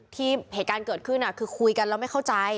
เหตุการณ์เกิดขึ้นคือคุยกันแล้วไม่เข้าใจ